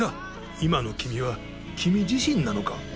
今の君は、君自身なのか？